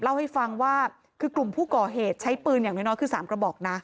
เล่าให้ฟังว่าคือกลุ่มผู้ก่อเหตุใช้ปืนอย่างน้อยคือ๓กระบอกนะ